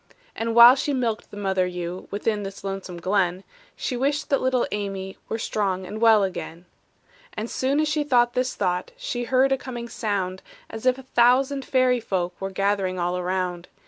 And while she milked the mother ewe Within this lonesome glen, She wished that little Amy Were strong and well again. And soon as she thought this thought, She heard a coming sound, As if a thousand fairy folk Were gathering all around.